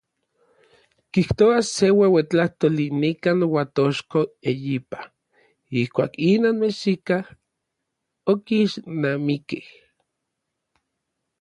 Kijtoa se ueuetlajtoli nikan Uatochko eyipa, ijkuak inon mexikaj okixnamikikej.